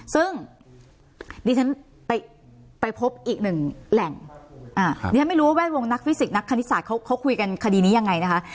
ซึ่งดิฉันไปพบอีกหนึ่งแหล่งดิฉันไม่รู้ว่าแวดวงนักฟิสิกสนักคณิตศาสตร์เขาคุยกันคดีนี้ยังไงนะคะ